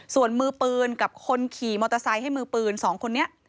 ส่วนมือปืนกับคนขี่มอเตอร์ไซค์ให้มือปืนสองคนนี้